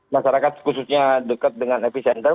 masyarakat khususnya dekat dengan epicenter